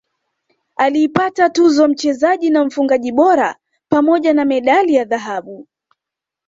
aliipata tuzo ya mchezaji na mfungaji bora pamoja na medali ya dhahabu